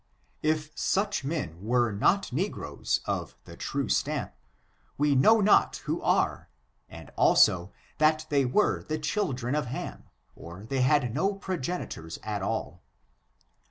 If such men were not negroes of the true stamp, we know not who are, and, also, that they were the children of Ham, or they had no progenitors at all.